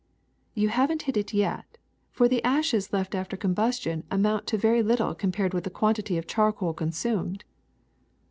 ^*You haven't hit it yet, for the ashes left after combustion amount to very little compared with the quantity of charcoal consumed.